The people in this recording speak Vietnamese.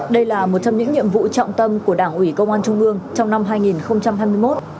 đây là một trong những nhiệm vụ trọng tâm của đảng ủy công an trung ương trong năm hai nghìn hai mươi một